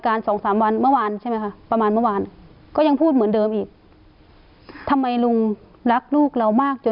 จนสัญชาติตัญญาณความเป็นแม่